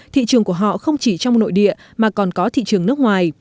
thị trường của họ không chỉ trong nội địa mà còn có thị trường nước ngoài